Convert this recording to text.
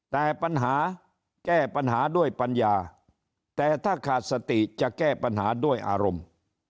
แต่ปัญหาแก้ปัญหาด้วยปัญญาแต่ถ้าขาดสติจะแก้ปัญหาด้วยอารมณ์